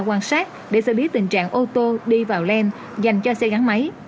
quan sát để xử lý tình trạng ô tô đi vào len dành cho xe gắn máy